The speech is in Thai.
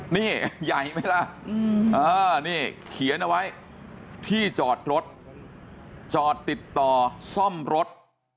นี่ใหญ่มั้ยแหละขีนเอาไว้ที่จอดรถจอดติดต่อซ่อมรถ